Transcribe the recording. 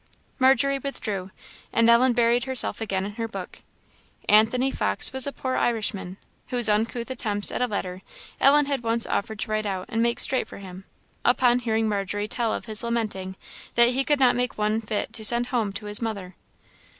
Margery withdrew, and Ellen buried herself again in her book. Anthony Fox was a poor Irishman, whose uncouth attempts at a letter Ellen had once offered to write out and make straight for him, upon hearing Margery tell of his lamenting that he could not make one fit to send home to his mother.